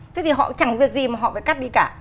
thế thì họ chẳng việc gì mà họ phải cắt đi cả